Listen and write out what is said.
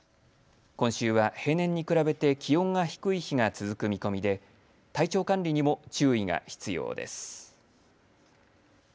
今週は平年に比べて気温が低い日が続く見込みで体調管理にも注意が必要です。